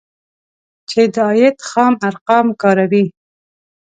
چې د عاید خام ارقام کاروي